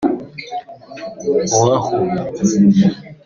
Wahu